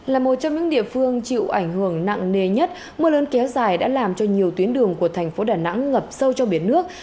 là một trong những địa phương chịu ảnh hưởng nặng nề nhất mưa lớn kéo dài đã làm cho nhiều tuyến đường của thành phố đà nẵng ngập sâu cho biển nước